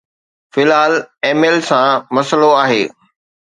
في الحال ايميل سان مسئلو آهي